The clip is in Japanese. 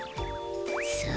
さあ。